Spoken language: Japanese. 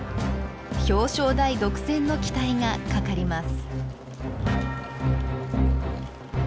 表彰台独占の期待がかかります。